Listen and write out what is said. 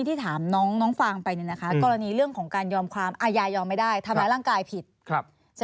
ที่ต้องดูเกี่ยวกับคดีด้วย